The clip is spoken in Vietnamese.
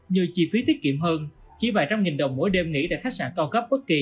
như chi phí tiết kiệm hơn chỉ vài trăm nghìn đồng mỗi đêm nghỉ tại khách sạn cao cấp bất kỳ